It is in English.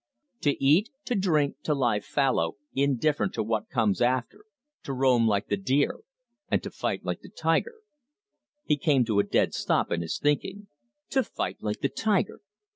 To eat, to drink, to lie fallow, indifferent to what comes after, to roam like the deer, and to fight like the tiger " He came to a dead stop in his thinking. "To fight like the tiger!"